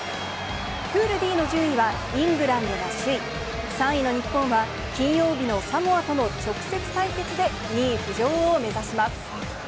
プールＤの順位は、イングランドが首位、３位の日本は、金曜日のサモアとの直接対決で２位浮上を目指します。